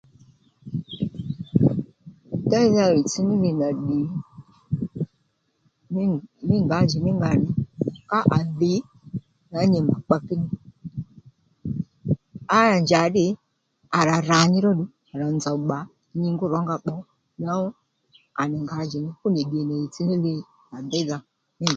Déydha ɦìytss ní li nà ddì nì mí ngǎjìní nga nì ká à dhì nwǎŋú nyi mà kpakí ní ǎyà njǎddǐ à rà rà nyi róddù à nzòw bbà nwǎŋú ddì nì ɦìytss ní li déydha mî